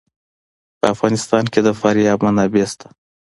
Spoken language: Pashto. په افغانستان کې د فاریاب منابع شته.